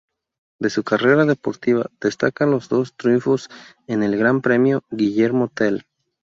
De su carrera deportiva destacan los dos triunfos en el Gran Premio Guillermo Tell.